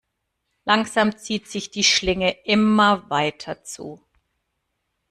Langsam zieht sich die Schlinge immer weiter zu.